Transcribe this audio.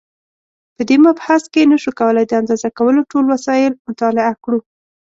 په دې مبحث کې نشو کولای د اندازه کولو ټول وسایل مطالعه کړو.